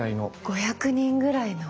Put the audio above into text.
５００人ぐらいの？